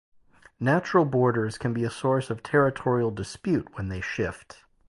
Natural borders can be a source of territorial dispute when they shift.